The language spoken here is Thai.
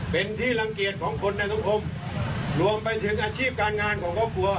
เป็นที่รังเกียจของคนในสังคมรวมไปถึงอาชีพการงานของครอบครัว